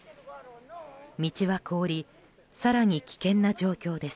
道は凍り、更に危険な状況です。